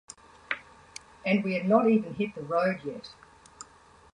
And we had not even hit the road yet!